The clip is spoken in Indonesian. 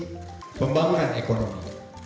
untuk pengembangan ekonomi